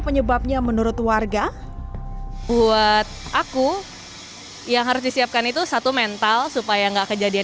penyebabnya menurut warga buat aku yang harus disiapkan itu satu mental supaya enggak kejadian